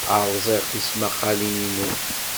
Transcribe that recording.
Rẓiɣ tismaqqalin-inu.